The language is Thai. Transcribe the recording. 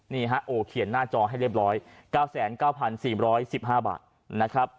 นี่ฮะโอ้เขียนหน้าจอให้เรียบร้อย๙๙๔๑๕บาทนะครับ